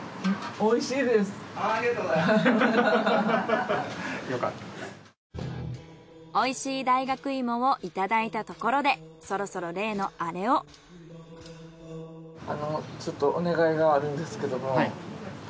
おいしい大学芋をいただいたところでちょっとお願いがあるんですけども。